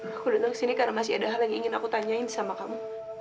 aku datang ke sini karena masih ada hal yang ingin aku tanyain sama kamu